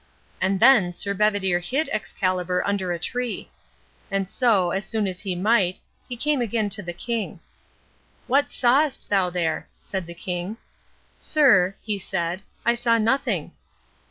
And then Sir Bedivere hid Excalibar under a tree. And so, as soon as he might, he came again to the king. "What sawest thou there?" said the king. "Sir," he said, "I saw nothing."